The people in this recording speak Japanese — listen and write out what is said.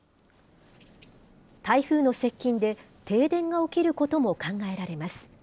台風の接近で、停電が起きることも考えられます。